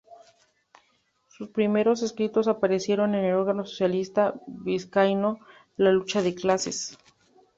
Sus primeros escritos aparecieron en el órgano socialista vizcaíno, "La Lucha de Clases".